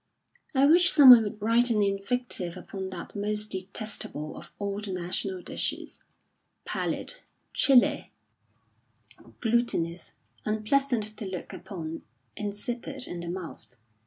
I wish someone would write an invective upon that most detestable of all the national dishes, pallid, chilly, glutinous, unpleasant to look upon, insipid in the mouth.